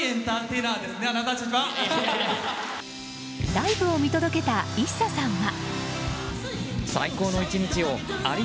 ライブを見届けたＩＳＳＡさんは。